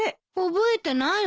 覚えてないわ。